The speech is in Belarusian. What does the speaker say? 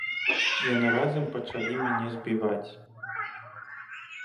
Яны разам пачалі мяне збіваць.